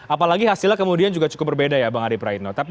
apalagi hasilnya kemudian juga cukup berbeda ya bang arief